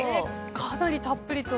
かなりたっぷりと。